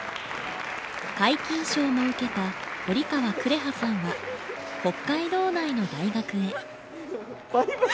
皆勤賞も受けた堀川紅羽さんは北海道内の大学へ。